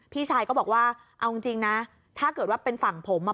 พี่ชายก็บอกว่าเอาจริงนะถ้าเกิดว่าเป็นฝั่งผมอ่ะ